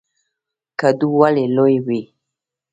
کدو ولې لوی وي؟